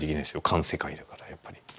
環世界だからやっぱり。